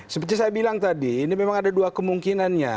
seperti saya bilang tadi ini memang ada dua kemungkinannya